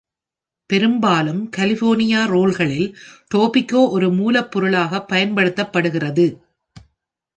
பெரும்பாலும், கலிபோர்னியா ரோல்களில் டோபிகோ ஒரு மூலப்பொருளாகப் பயன்படுத்தப்படுகிறது.